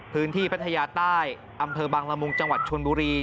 พัทยาใต้อำเภอบังละมุงจังหวัดชนบุรี